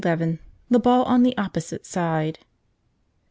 The ball on the opposite side.